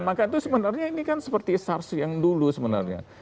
maka itu sebenarnya ini kan seperti sars yang dulu sebenarnya